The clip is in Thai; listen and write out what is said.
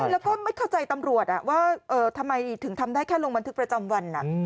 แล้วก็ไม่เข้าใจตำรวจว่าทำไมถึงทำได้แค่ลงบันทึกประจำวัน